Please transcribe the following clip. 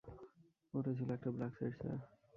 ওটা ছিল একটা ব্ল্যাক সাইট, স্যার।